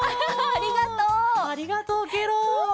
ありがとうケロ。